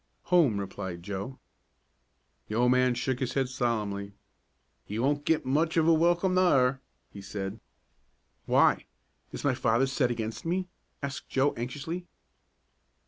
"Home!" replied Joe. The old man shook his head solemnly. "Ye won't git much of a welcome ther," he said. "Why? Is my father set against me?" asked Joe, anxiously.